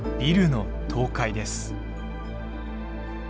ビルの倒壊です。